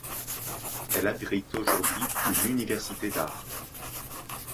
Elle abrite aujourd'hui une université d'arts.